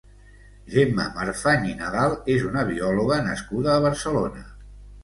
Gemma Marfany i Nadal és una biòloga nascuda a Barcelona.